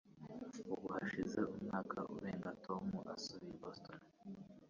Ubu hashize umwaka urenga Tom asuye Boston.